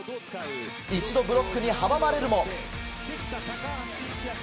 一度ブロックに阻まれるも。